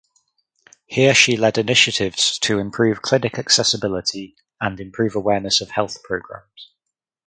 Here she led initiatives to improve clinic accessibility and improve awareness of health programmes.